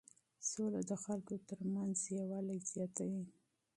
سوله د خلکو ترمنځ یووالی زیاتوي.